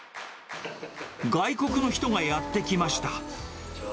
外国の人がやって来ました。